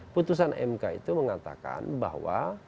putusan mk itu mengatakan bahwa